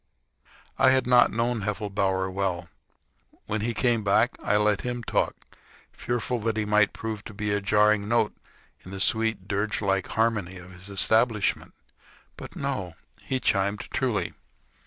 I had not known Heffelbower well. When he came back, I let him talk, fearful that he might prove to be a jarring note in the sweet, dirgelike harmony of his establishment. But, no. He chimed truly.